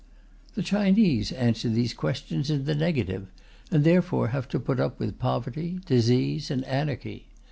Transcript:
The Chinese answer these questions in the negative, and therefore have to put up with poverty, disease, and anarchy.